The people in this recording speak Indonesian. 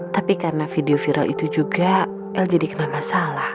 tapi karena video viral itu juga l jadi kena masalah